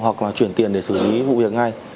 hoặc là chuyển tiền để xử lý vụ việc ngay